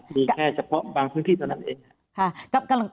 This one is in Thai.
มีแค่เฉพาะบางพื้นที่ตรงนั้นเอง